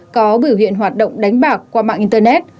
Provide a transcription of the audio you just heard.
có biểu hiện hoạt động đánh bạc qua mạng internet